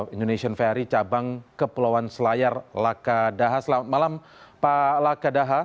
indonesian ferry cabang kepulauan selayar lakadaha selamat malam pak lakadaha